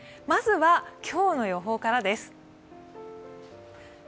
まずは今日の予報からです。